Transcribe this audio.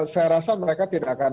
saya rasa mereka tidak akan